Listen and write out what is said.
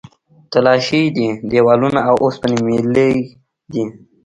تلاشۍ دي، دیوالونه او اوسپنې میلې دي.